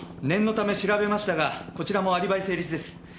念のため調べましたがこちらもアリバイ成立です。